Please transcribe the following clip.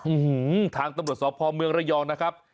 อื้อหือทางตำรวจสอบภอมเมืองระยองนะครับ